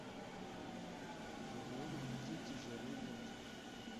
mu bihugu bidukikije bindi,